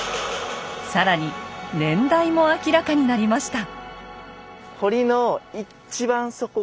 更に年代も明らかになりました。